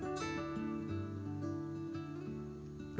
adalah rumah rumah warga yang berada di dalam rumah